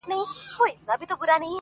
ستا د سونډو په ساغر کي را ايسار دی_